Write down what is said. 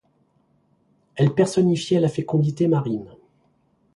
Elle personnifiait la fécondité marine.